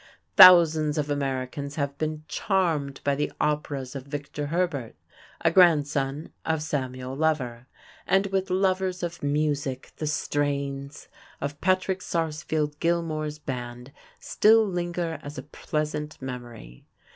Thousands of Americans have been charmed by the operas of Victor Herbert, a grandson of Samuel Lover, and with lovers of music the strains of Patrick Sarsfield Gilmore's band still linger as a pleasant memory.